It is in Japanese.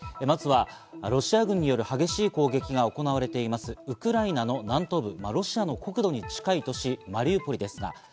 まずはロシア軍による激しい攻撃が行われているウクライナの南東部、ロシアの国土に近い都市マリウポリです。